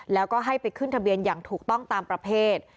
แล้วก็ให้ไปขึ้นทะเบียนอย่างถูกต้องตามประเภท